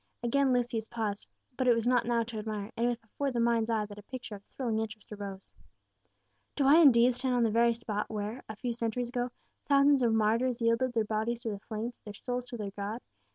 Again Lucius paused, but it was not now to admire, and it was before the mind's eye that a picture of thrilling interest arose. "Do I indeed stand on the very spot where, a few centuries ago, thousands of martyrs yielded their bodies to the flames, their souls to their God?"